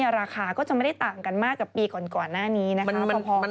ราคาก็จะไม่ได้ต่างกันมากกับปีก่อนหน้านี้พอพอกัน